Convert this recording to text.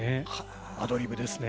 アドリブですね。